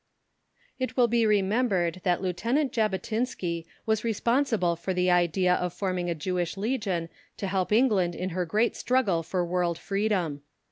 It will be remembered that Lieutenant Jabotinsky was responsible for the idea of forming a Jewish Legion to help England in her great struggle for world freedom.